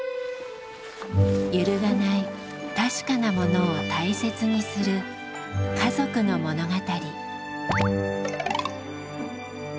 揺るがない「確かなもの」を大切にする家族の物語。